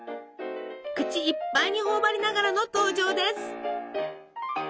口いっぱいに頬張りながらの登場です！